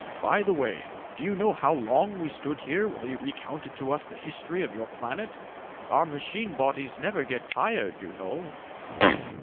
By the way, do you know how long we stood here while you recounted to us the history of your planet? Our machine bodies never get tired, you know."